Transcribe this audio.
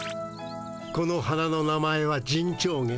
この花の名前はジンチョウゲ。